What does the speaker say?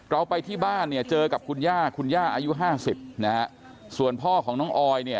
เราไปที่บ้านเจอกับคุณย่าคุณย่าอายุ๕๐และส่วนพ่อของน้องออย